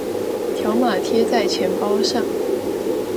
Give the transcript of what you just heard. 條碼貼在錢包上